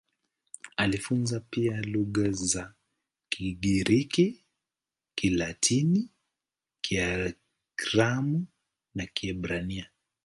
Alijifunza pia lugha za Kigiriki, Kilatini, Kiaramu na Kiebrania.